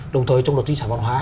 đồng thời trong luật di sản văn hóa